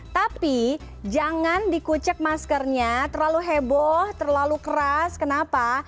tapi jangan dikucek maskernya terlalu heboh terlalu keras kenapa